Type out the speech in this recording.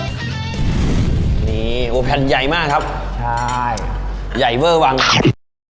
อร่อยเชียบแน่นอนครับอร่อยเชียบแน่นอนครับ